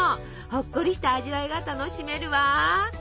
ほっこりした味わいが楽しめるわ。